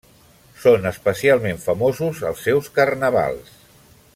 Són especialment famosos els seus carnavals.